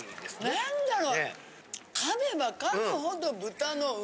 何だろう？